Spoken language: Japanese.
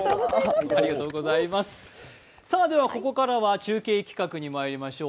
ではここからは中継企画にまいりましょう。